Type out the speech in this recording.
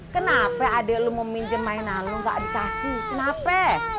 kenapa adek lo mau minjem mainan lo nggak dikasih kenapa